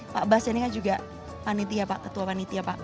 pak bas ini kan juga panitia pak ketua panitia pak